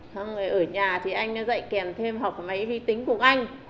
xong rồi ở nhà thì anh nó dạy kèm thêm học máy vi tính của anh